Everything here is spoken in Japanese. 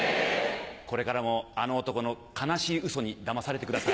これからもあの男の悲しいウソにだまされてください。